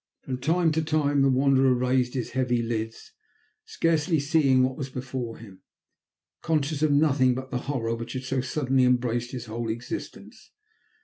From time to time the Wanderer raised his heavy lids, scarcely seeing what was before him, conscious of nothing but the horror which had so suddenly embraced his whole existence.